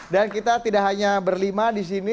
dan kita tidak hanya berlima disini